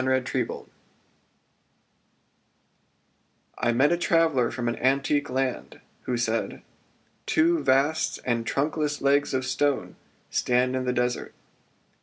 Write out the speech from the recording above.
Text[edit] I met a traveller from an antique land Who said: Two vast and trunkless legs of stone Stand in the desart.